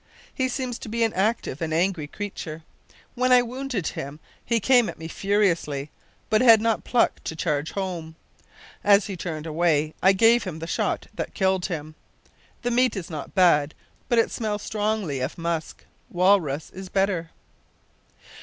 He seems to be an active and an angry creature. When I wounded him he came at me furiously, but had not pluck to charge home. As he turned away I gave him the shot that killed him. The meat is not bad, but it smells strongly of musk. Walrus is better.